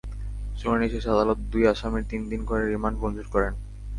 শুনানি শেষে আদালত দুই আসামির তিন দিন করে রিমান্ড মঞ্জুর করেন।